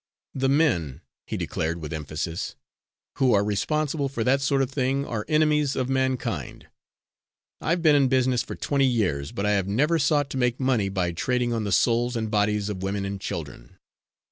"The men," he declared with emphasis, "who are responsible for that sort of thing, are enemies of mankind. I've been in business for twenty years, but I have never sought to make money by trading on the souls and bodies of women and children.